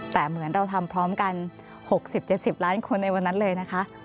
แต่เหมือนเราทำพร้อมกันหกสิบเจ็ดสิบล้านคนในวันนั้นเลยนะคะ